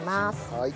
はい。